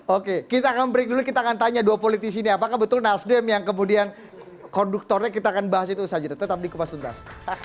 oke kita akan break dulu kita akan tanya dua politisi ini apakah betul nasdem yang kemudian konduktornya kita akan bahas itu saja tetap di kupas tuntas